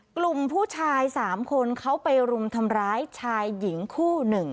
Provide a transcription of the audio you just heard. กลุ่มผู้ชาย๓คนเขาไปรุมทำร้ายชายหญิงคู่หนึ่ง